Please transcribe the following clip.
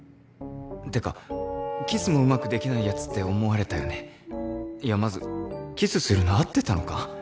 ってかキスもうまくできないヤツって思われたよねいやまずキスするの合ってたのか？